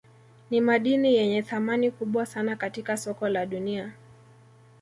Nimadini yenye thamani kubwa sana katika soko la dunia